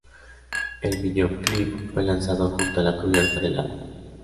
El videoclip fue lanzado junto a la cubierta del álbum.